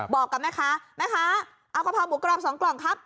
บอกกับแม่ค้าแม่ค้าเอากะเพราหมูกรอบ๒กล่องครับ